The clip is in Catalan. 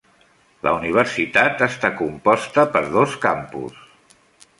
La universitat està composta per dos campus.